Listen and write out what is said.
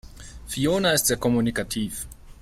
Fiona ist sehr kommunikativ.